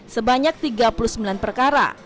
sebanyak tiga puluh sembilan perkara